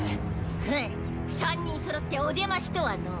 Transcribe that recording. ふん３人揃ってお出ましとはのう。